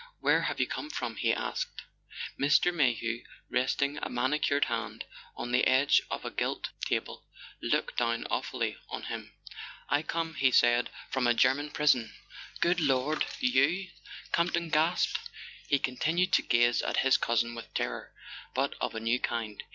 Where have you come from?" he asked. Mr. Mayhew, resting a manicured hand on the edge of a gilt table, looked down awfully on him. [ 138 ] A SON AT THE FRONT "I come," he said, "from a German prison." "Good Lord— you?" Campton gasped. He continued to gaze at his cousin with terror, but of a new kind.